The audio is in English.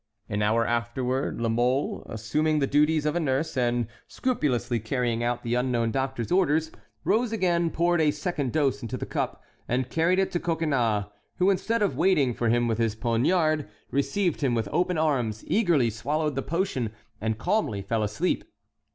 An hour afterward La Mole, assuming the duties of a nurse, and scrupulously carrying out the unknown doctor's orders, rose again, poured a second dose into the cup, and carried it to Coconnas, who instead of waiting for him with his poniard, received him with open arms, eagerly swallowed the potion, and calmly fell asleep.